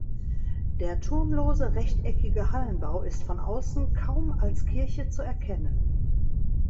Der turmlose rechteckige Hallenbau ist von außen kaum als Kirche zu erkennen.